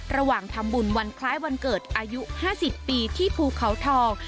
ระหว่างทำบุญวันคล้ายวันเกิดอายุ๕๐ปีที่ภูเขาทอง